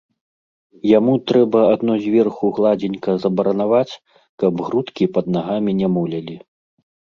Яму трэба адно зверху гладзенька забаранаваць, каб грудкі пад нагамі не мулялі.